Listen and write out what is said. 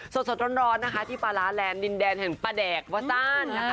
สดร้อนนะคะที่ปลาร้าแลนดินแดนแห่งประแดกวัตตาล